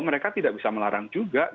mereka tidak bisa melarang juga